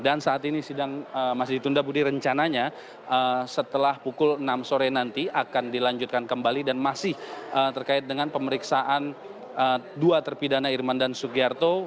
saat ini sidang masih ditunda budi rencananya setelah pukul enam sore nanti akan dilanjutkan kembali dan masih terkait dengan pemeriksaan dua terpidana irman dan sugiharto